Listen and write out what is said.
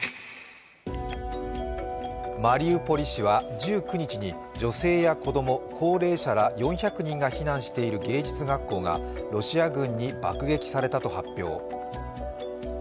マリウポリ市は１９日に女性や子供、高齢者ら４００人が避難している芸術学校がロシア軍に爆撃されたと発表。